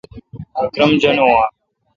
اکرم جانون آں؟